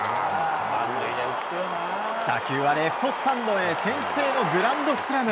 打球はレフトスタンドへ先制のグランドスラム。